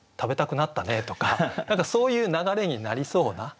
何かそういう流れになりそうな。